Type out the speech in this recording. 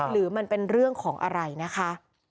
หรือมันเป็นเรื่องของอะไรนะคะ